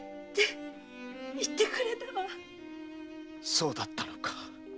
そうだったのか。